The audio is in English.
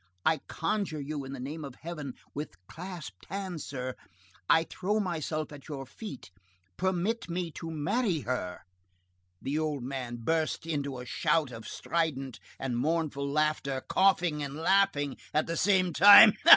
I conjure you in the name of Heaven, with clasped hands, sir, I throw myself at your feet, permit me to marry her!" The old man burst into a shout of strident and mournful laughter, coughing and laughing at the same time. "Ah! ah!